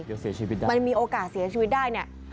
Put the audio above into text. เดี๋ยวเสียชีวิตได้มันมีโอกาสเสียชีวิตได้เนี่ย